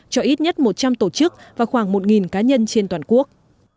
cho ít nhất một trăm linh tổ chức và khoảng một cá nhân trên toàn quốc